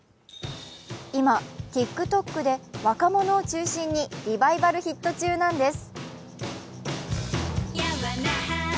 今、ＴｉｋＴｏｋで若者を中心にリバイバルヒット中なんです。